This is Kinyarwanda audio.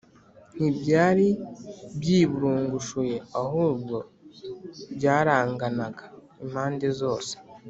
ntibyari byiburungushuye, ahubwo byaranganaga impande zose